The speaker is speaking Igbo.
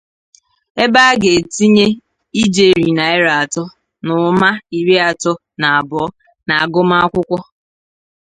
ebe a ga-etinye ijeri naịra atọ na ụma iri atọ na abụọ n'agụmakwụkwọ